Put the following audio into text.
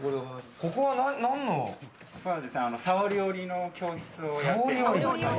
ここは、さをり織りの教室をやっています。